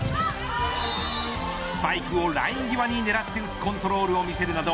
スパイクをライン際に狙って打つコントロールを見せるなど